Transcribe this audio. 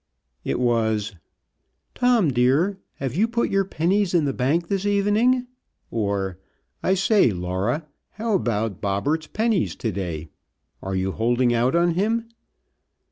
It was "Tom, dear, have you put your pennies in the bank this evening?" or "I say, Laura, how about Bobberts' pennies to day. Are you holding out on him?"